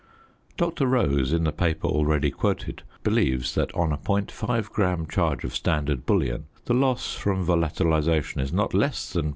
Dr. Rose, in the paper already quoted, believes that on a .5 gram charge of standard bullion the loss from volatilisation is not less than